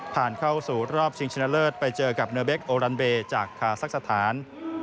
เข้าสู่รอบชิงชนะเลิศไปเจอกับเนอร์เบคโอรันเบย์จากคาซักสถาน